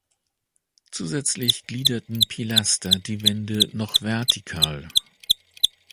Zusätzlich gliederten Pilaster die Wände noch vertikal.